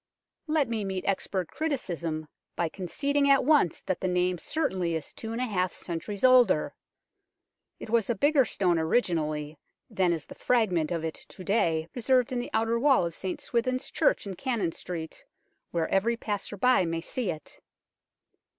Let me meet expert criticism by conceding at once that the name certainly is two and a half centuries older. It was a bigger stone originally than is the fragment of it to day preserved in the outer wall of St Swithin's Church in Cannon Street, where every passer by may see it.